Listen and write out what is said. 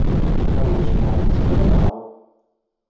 Ma ulac maḍi nezmer ad neɛreḍ.